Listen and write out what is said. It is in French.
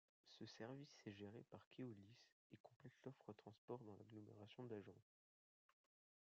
Ce service est géré par Keolis et complète l'offre transport dans l'Agglomération d'Agen.